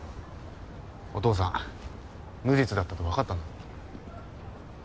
お父さん無実だったとわかったんだよ。